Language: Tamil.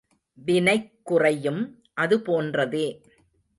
வினைக் குறையும் அதுபோன்றதே.